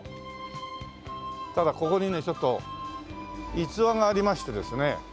ただここにねちょっと逸話がありましてですね